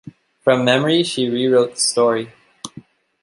From memory, she rewrote the story.